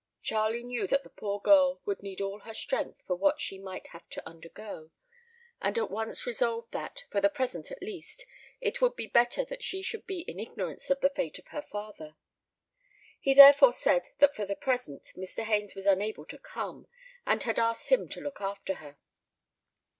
Charlie knew that the poor girl would need all her strength for what she might have to undergo, and at once resolved that, for the present at least, it would be better that she should be in ignorance of the fate of her father. He therefore said that for the present Mr. Haines was unable to come, and had asked him to look after her.